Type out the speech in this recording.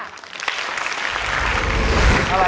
อะไรนะ